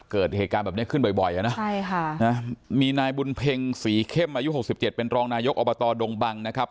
เกิดเหตุการณ์แบบนี้ขึ้นบ่อยนะมีนายบุญเพ็งศรีเข้มอายุ๖๗เป็นรองนายกอบตดงบังนะครับ